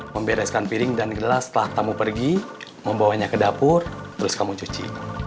membereskan piring dan gelas setelah tamu pergi membawanya ke dapur terus kamu cuci